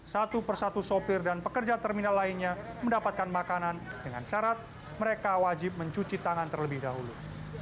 satu persatu sopir dan pekerja terminal lainnya mendapatkan makanan dengan syarat mereka wajib mencuci tangan terlebih dahulu